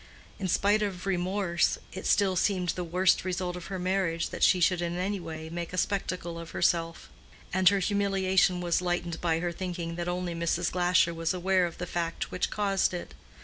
In spite of remorse, it still seemed the worst result of her marriage that she should in any way make a spectacle of herself; and her humiliation was lightened by her thinking that only Mrs. Glasher was aware of the fact which caused it.